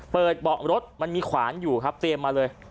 เบาะรถมันมีขวานอยู่ครับเตรียมมาเลย